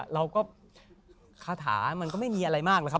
เราก็คาถามันก็ไม่มีอะไรมาก